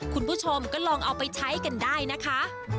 คุณผู้ชมก็ลองเอาไปใช้กันได้นะคะ